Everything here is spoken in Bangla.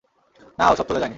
না, ওসব চলে যায়নি।